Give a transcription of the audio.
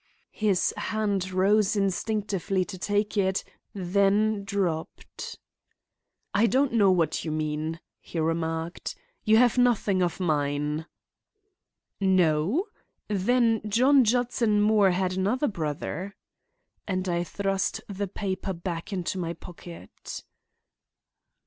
His hand rose instinctively to take it; then dropped. "I don't know what you mean," he remarked. "You have nothing of mine." "No? Then John Judson Moore had another brother." And I thrust the paper back into my pocket.